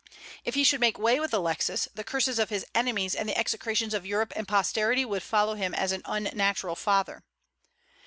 If he should make way with Alexis, the curses of his enemies and the execrations of Europe and posterity would follow him as an unnatural father.